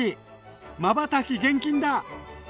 まばたき厳禁だ！